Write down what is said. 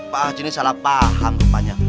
pak haji ini salah paham rupanya